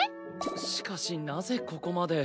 しかしなぜここまで。